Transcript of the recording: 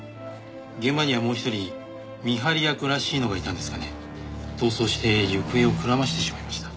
現場にはもう一人見張り役らしいのがいたんですがね逃走して行方をくらましてしまいました。